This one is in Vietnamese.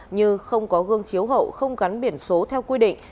như không có gương chiếu hậu không gắn biển số theo quy định